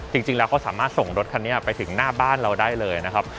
จริงแล้วเขาสามารถส่งรถคันนี้ไปถึงหน้าบ้านเราได้เลยนะครับ